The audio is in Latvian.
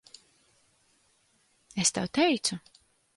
Es tev teicu.